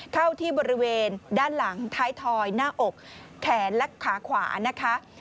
เข้าที่บริเวณด้านหลังท้ายทอยหน้าอกแขนและขาขวานะคะ